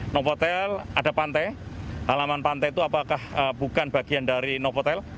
novotel ada pantai halaman pantai itu apakah bukan bagian dari novotel